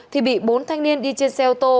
thì bị bốn thanh niên đi trên xe ô tô